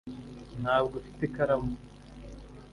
ntabwo ufite ikaramu